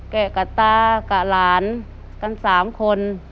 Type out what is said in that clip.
กับตากับหลานกัน๓คน